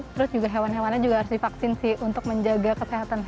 terus juga hewan hewannya juga harus divaksin sih untuk menjaga kesehatan